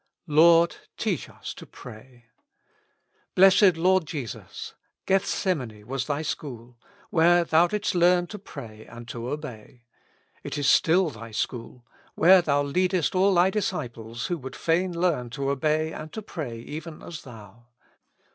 "Lord, teach us to pray." Blessed Lord Jesus ! Gethsemane was Thy school, where Thou didst learn to pray and to obey. It is still Thy school, where Thou leadest all Thy disciples who would fain learn to obey and to pray even as Thou.